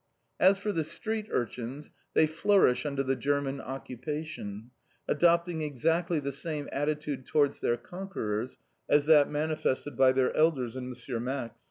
As for the street urchins, they flourish under the German occupation, adopting exactly the same attitude towards their conquerors as that manifested by their elders and M. Max.